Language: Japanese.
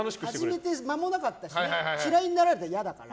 始めて間もなかったし嫌いになられたら嫌だからさ。